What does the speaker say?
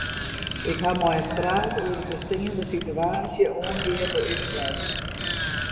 Ik ha mei him praat oer de besteande sitewaasje oangeande ús flat.